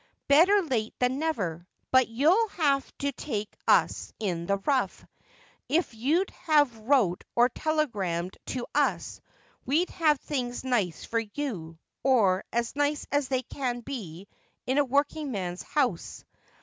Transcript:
Better late than never. But you'll have to take us in the rough. If you'd have wrote or telegrammed to us, we'd have had things nice for you — or as nice as they can be in a working man's house.'